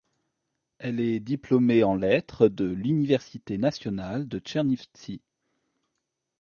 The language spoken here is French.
Elle est diplômée en lettres de l'Université nationale de Tchernivtsi.